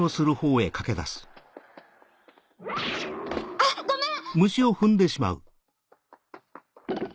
あっごめん！